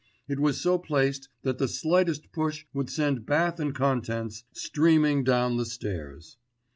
It was so placed that the slightest push would send bath and contents streaming down the stairs.